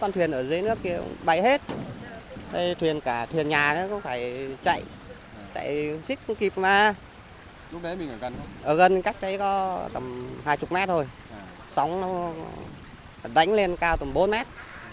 ở gần cách đấy có tầm hai mươi mét thôi sóng nó đánh lên cao tầm bốn mét